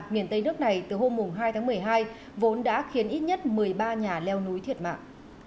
miền tây nước này từ hôm hai tháng một mươi hai vốn đã khiến ít nhất một mươi ba nhà leo núi thiệt mạng